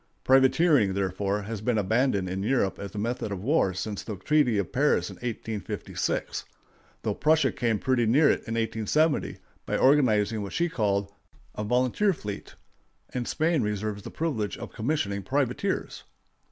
Privateering, therefore, has been abandoned in Europe as a method of war since the treaty of Paris in 1856, though Prussia came pretty near it in 1870, by organizing what she called a volunteer fleet, and Spain reserves the privilege of commissioning privateers.